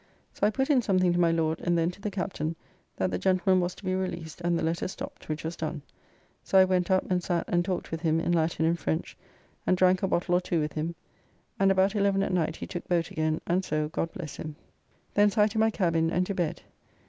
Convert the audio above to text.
So I put in something to my Lord and then to the Captain that the gentleman was to be released and the letter stopped, which was done. So I went up and sat and talked with him in Latin and French, and drank a bottle or two with him; and about eleven at night he took boat again, and so God bless him. Thence I to my cabin and to bed.